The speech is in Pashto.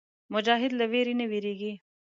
مجاهد له ویرې نه وېرېږي.